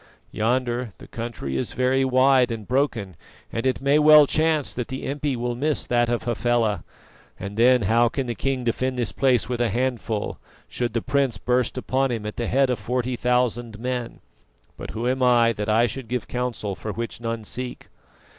Yonder the country is very wide, and broken, and it may well chance that the impi will miss that of Hafela, and then how can the king defend this place with a handful, should the prince burst upon him at the head of forty thousand men? But who am I that I should give counsel for which none seek?"